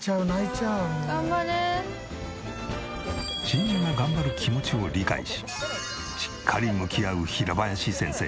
新人が頑張る気持ちを理解ししっかり向き合う平林先生。